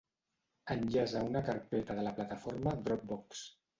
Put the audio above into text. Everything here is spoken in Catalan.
Enllaç a una carpeta de la plataforma Dropbox.